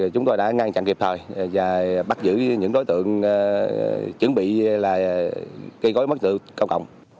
chúng tôi đã ngăn chặn kịp thời và bắt giữ những đối tượng chuẩn bị gây gói mất sự cao cộng